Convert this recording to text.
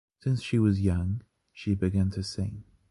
Since she was young, she began to sing.